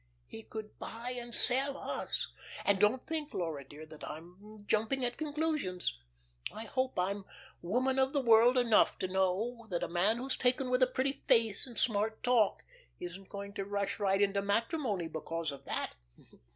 He could buy and sell us. And don't think, Laura dear, that I'm jumping at conclusions. I hope I'm woman of the world enough to know that a man who's taken with a pretty face and smart talk isn't going to rush right into matrimony because of that.